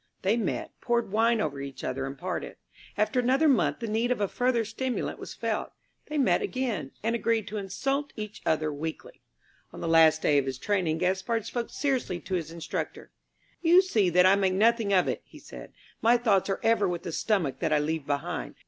They met, poured wine over each other and parted. After another month the need of a further stimulant was felt. They met again, and agreed to insult each other weekly. On the last day of his training Gaspard spoke seriously to his instructor. "You see that I make nothing of it," he said. "My thoughts are ever with the stomach that I leave behind.